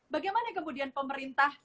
bagaimana kemudian pemerintah